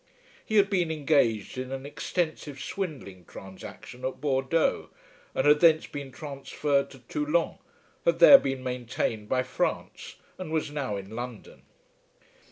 He had been engaged in an extensive swindling transaction at Bordeaux, and had thence been transferred to Toulon, had there been maintained by France, and was now in London.